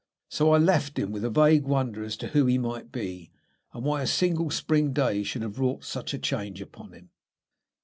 So I left him, with a vague wonder as to who he might be, and why a single spring day should have wrought such a change upon him.